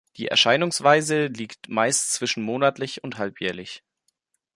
Die Erscheinungsweise liegt meist zwischen monatlich und halbjährlich.